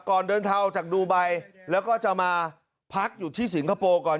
ก่อนเดินทางออกจากดูไบแล้วก็จะมาพักอยู่ที่สิงคโปร์ก่อน